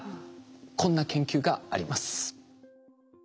こんな研究があります。